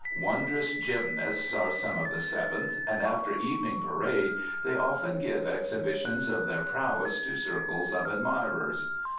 Wondrous gymnasts are some of the Seventh, and after evening parade they often give exhibitions of their prowess to circles of admirers.